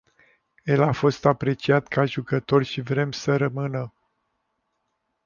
El a fost apreciat ca jucător și vrem să rămână.